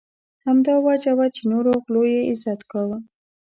همدا وجه وه چې نورو غلو یې عزت کاوه.